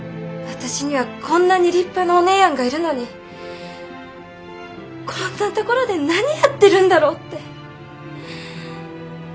私にはこんなに立派なお姉やんがいるのにこんな所で何やってるんだろうって。